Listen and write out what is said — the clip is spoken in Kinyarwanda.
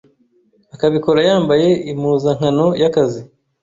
akabikora yambaye impuzankano y’akazi.”